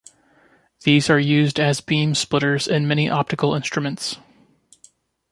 These are used as beam splitters in many optical instruments.